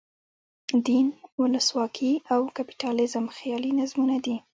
دین، ولسواکي او کپیټالیزم خیالي نظمونه دي.